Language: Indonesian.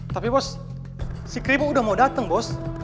tapi bos si keripuk udah mau datang bos